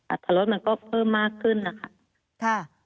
อัตรรสมันก็เพิ่มมากขึ้นนะคะ